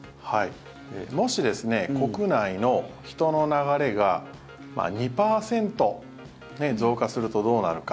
もし、国内の人の流れが２％増加するとどうなるか。